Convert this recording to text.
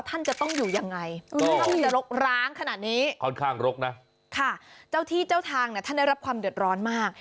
มันมีความเดือดร้อนมาก